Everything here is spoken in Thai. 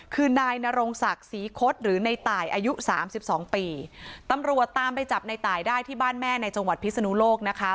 คือนายนรงศักดิ์ศรีคศหรือในตายอายุสามสิบสองปีตำรวจตามไปจับในตายได้ที่บ้านแม่ในจังหวัดพิศนุโลกนะคะ